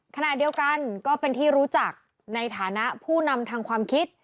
ขณะเดียวกันก็เป็นที่รู้จักในฐานะผู้นำทางความคิด